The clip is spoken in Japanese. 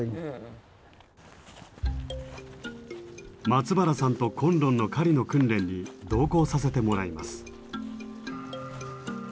松原さんと崑崙の狩りの訓練に同行させてもらいます。